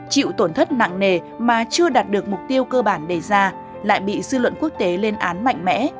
chịu tổn thất nặng nề mà chưa đạt được mục tiêu cơ bản đề ra lại bị dư luận quốc tế lên án mạnh mẽ